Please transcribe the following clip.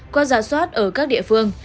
qua giả soát ở các địa phương